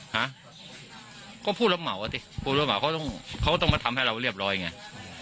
ฮะก็ผู้รับเหมาอ่ะสิผู้รับเหมาเขาต้องเขาต้องมาทำให้เราเรียบร้อยไง